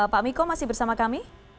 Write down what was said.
pak miko masih bersama kami